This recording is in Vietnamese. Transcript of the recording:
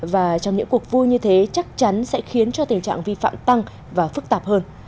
và trong những cuộc vui như thế chắc chắn sẽ khiến cho tình trạng vi phạm tăng và phức tạp hơn